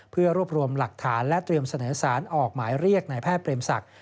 เพื่อรวบรวมหลักฐานและเตรียมเสนอสารออกหมายเรียกนายแพทย์เปรมศักดิ์